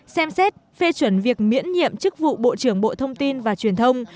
xem xét phê chuẩn việc miễn nhiệm chức vụ bộ trưởng bộ thông tin và truyền thông